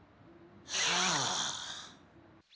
はあ。